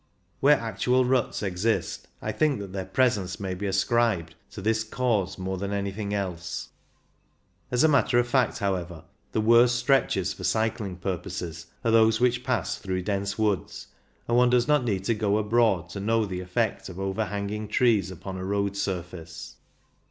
Where actual ruts exist, I think that their presence may be ascribed to ihis cause more than anything else. As a matter of fact, however, the worst stretches for cycling purposes are those which pass through dense woods, and one does not need to go abroad to know the effect of overhanging trees upon a road surface.